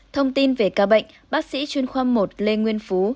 thông tin về ca bệnh bác sĩ chuyên khoa một lê nguyên phú